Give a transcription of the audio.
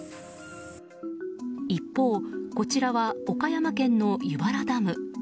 一方、こちらは岡山県の湯原ダム。